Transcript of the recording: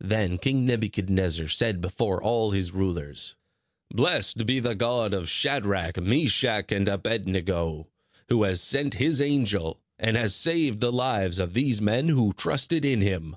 Then King Nebuchadnezzar said before all his rulers: "Blessed be the God of Shadrach, Meshach, and Abed nego, who has sent his angel, and has saved the lives of these men who trusted in him.